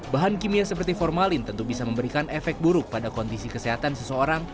bahan kimia seperti formalin tentu bisa memberikan efek buruk pada kondisi kesehatan seseorang